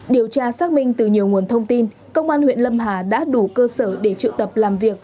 điều tra xác minh từ nhiều nguồn thông tin công an huyện lâm hà đã đủ cơ sở để trự tập làm việc